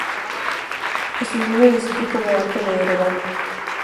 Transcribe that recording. Estudió en el Instituto de Arte de Ereván.